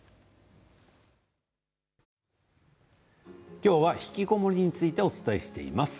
今日はひきこもりについてお伝えしています。